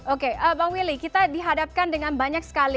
oke bang willy kita dihadapkan dengan banyak sekali